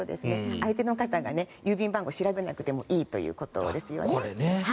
相手の方が郵便番号を調べなくてもいいということですね。